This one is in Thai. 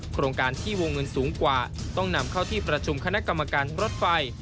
โครงการที่วงเงินสูงกว่าต้องนำเข้าที่ประชุมคณะกรรมการรถไฟ